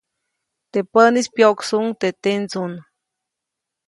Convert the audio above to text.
Teʼ päʼnis, pyoʼksuʼuŋ teʼ tendsuŋ.